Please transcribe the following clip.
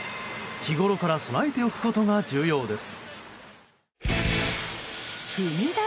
日ごろから備えておくことが重要です。